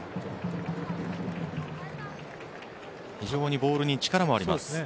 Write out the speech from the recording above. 非常にボールに力もあります。